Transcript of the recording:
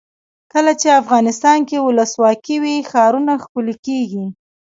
کله چې افغانستان کې ولسواکي وي ښارونه ښکلي کیږي.